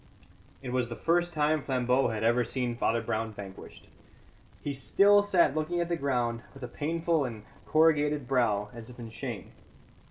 It was the first time Flambeau had ever seen Father Brown vanquished. He still sat looking at the ground, with a painful and corrugated brow, as if in shame.